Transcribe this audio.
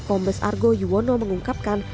kombes argo yuwono mengungkapkan